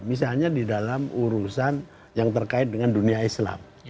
misalnya di dalam urusan yang terkait dengan dunia islam